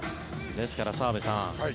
ですから澤部さん